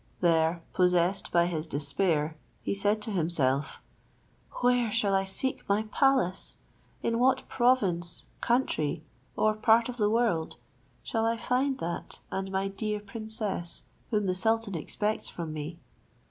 There, possessed by his despair, he said to himself, "Where shall I seek my palace? In what province, country, or part of the world, shall I find that and my dear princess, whom the sultan expects from me?